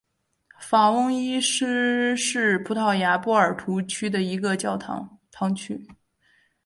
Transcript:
法翁伊什是葡萄牙波尔图区的一个堂区。